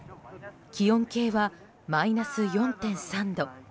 気温計はマイナス４．３度。